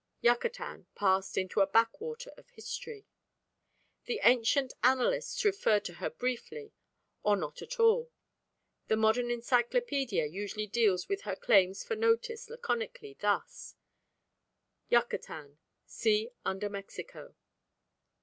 Yucatan passed into a backwater of history. The ancient annalists refer to her briefly or not at all: the modern Encyclopedia usually deals with her claims for notice laconically thus: "YUCATAN: see under MEXICO."